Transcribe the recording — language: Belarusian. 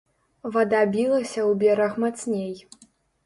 Вада білася ў бераг мацней.